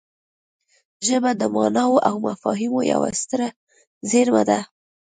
ژبه د ماناوو او مفاهیمو یوه ستره زېرمه ده